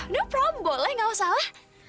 no problem boleh nggak masalah